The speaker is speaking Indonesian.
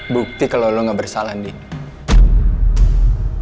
bukti kalo lo gak bersalah andin